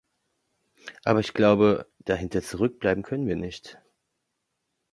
Aber ich glaube, dahinter zurückbleiben können wir nicht.